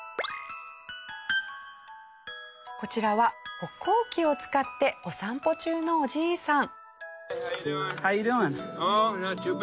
こちらは歩行器を使ってお散歩中のおじいさん。